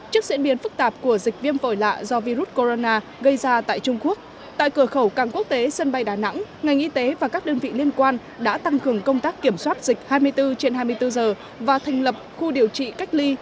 trước diễn biến phức tạp của dịch viêm vội lạ do virus corona gây ra tại trung quốc tại cửa khẩu càng quốc tế sân bay đà nẵng ngành y tế và các đơn vị liên quan đã tăng cường công tác kiểm soát dịch hai mươi bốn trên hai mươi bốn giờ và thành lập khu điều trị cách ly